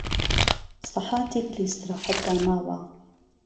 سهحاتێک له ئيستيڕاحەت دا ماوه